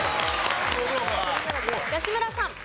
吉村さん。